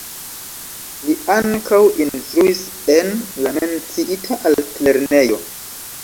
Li ankaŭ instruis en la menciita altlernejo.